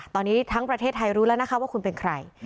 ตอนนี้ทั้งประเทศไทยรู้แล้วนะคะว่าคุณเป็นใคร